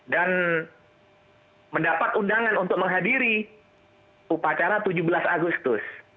dan mendapat undangan untuk menghadiri upacara tujuh belas agustus